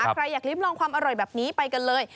ใครอยากลิ้มลองความอร่อยแบบนี้ไปกันเลย